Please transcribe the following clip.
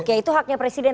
oke itu haknya presiden